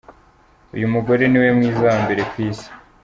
Uyu mugore niwe mwiza wa mbere ku isi.